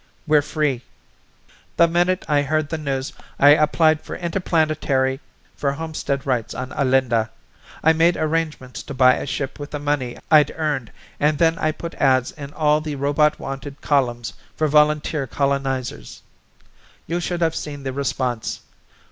We're free! "The minute I heard the news I applied to Interplanetary for homestead rights on Alinda. I made arrangements to buy a ship with the money I'd earned and then I put ads in all the Robot Wanted columns for volunteer colonizers. You should have seen the response!